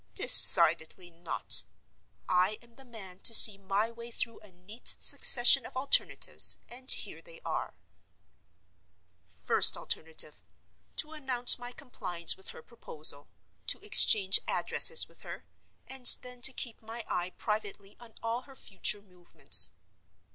Decidedly not: I am the man to see my way through a neat succession of alternatives; and here they are: First alternative: To announce my compliance with her proposal; to exchange addresses with her; and then to keep my eye privately on all her future movements.